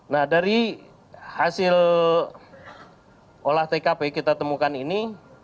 nah dari hasil olah tkp kita temukan ini